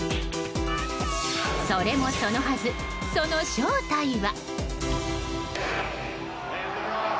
それもそのはず、その正体は。